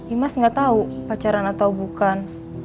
imas gak tau pacaran atau bukan